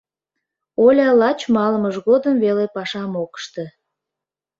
Оля лач малымыж годым веле пашам ок ыште.